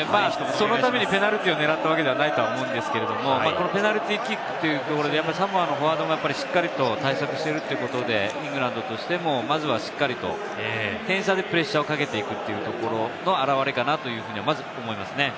そのためにペナルティーを狙ったわけではないと思いますけれども、ペナルティーキックということで、サモアのフォワードも対策しているということで、イングランドとしても、まずはしっかりと点差でプレッシャーをかけていくというところの表れかなと、まず思います。